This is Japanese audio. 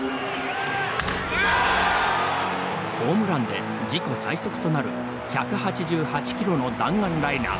ホームランで自己最速となる１８８キロの弾丸ライナー。